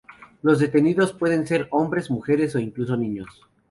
Los detenidos pueden ser hombres, mujeres o incluso niños.